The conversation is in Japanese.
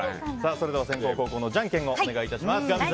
それでは先攻・後攻のじゃんけんをお願いします。